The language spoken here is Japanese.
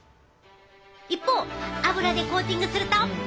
一方油でコーティングすると。